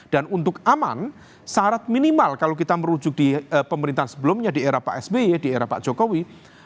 dan untuk aman syarat minimal kalau kita merujuk di pemerintahan sebelumnya di era pak sby di era pak jokowi